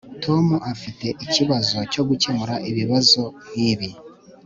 tom afite ikibazo cyo gukemura ibibazo nkibi